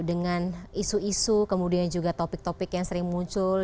dengan isu isu kemudian juga topik topik yang sering muncul